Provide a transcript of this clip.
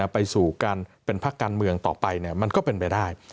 ไปสู่การเป็นพักการเมืองต่อไปมันก็เป็นไปได้